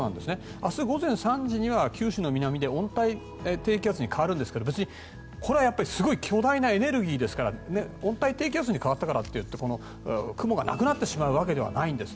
明日午前３時には九州の南で温帯低気圧に変わるんですが別に、これはすごい巨大なエネルギーですから温帯低気圧に変わったからって雲がなくなってしまうわけではないんです。